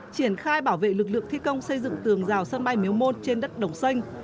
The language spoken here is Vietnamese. triển khai bảo vệ lực lượng thi công xây dựng tường rào sân bay miếu môn trên đất đồng xanh